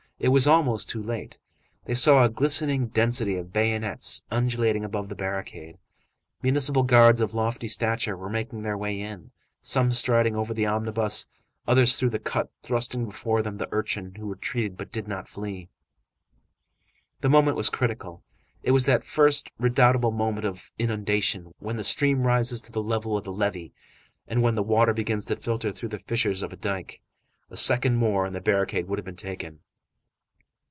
It was almost too late. They saw a glistening density of bayonets undulating above the barricade. Municipal guards of lofty stature were making their way in, some striding over the omnibus, others through the cut, thrusting before them the urchin, who retreated, but did not flee. The moment was critical. It was that first, redoubtable moment of inundation, when the stream rises to the level of the levee and when the water begins to filter through the fissures of dike. A second more and the barricade would have been taken.